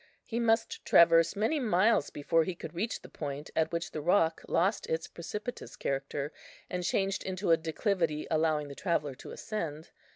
He must traverse many miles before he could reach the point at which the rock lost its precipitous character, and changed into a declivity allowing the traveller to ascend.